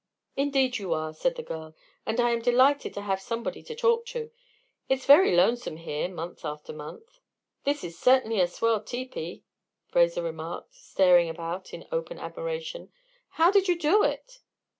"Indeed you are," said the girl, "and I am delighted to have somebody to talk to. It's very lonesome here, month after month." "This is certainly a swell tepee," Fraser remarked, staring about in open admiration. "How did you do it?"